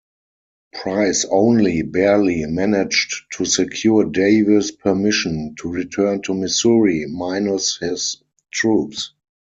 Price only barely managed to secure Davis's permission to return to Missouri-minus his troops.